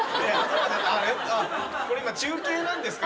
あっこれ今中継なんですか？